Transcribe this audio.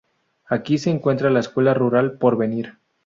Aquí se encuentra la escuela rural Porvenir.